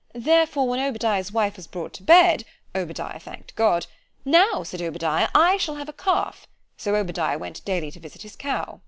Therefore when Obadiah's wife was brought to bed—Obadiah thanked God—— ——Now, said Obadiah, I shall have a calf: so Obadiah went daily to visit his cow.